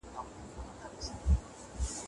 که هدف واضح وي، نو د تر لاسه کولو لاره به هم سمه وي.